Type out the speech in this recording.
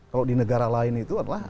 kalau di negara lain itu adalah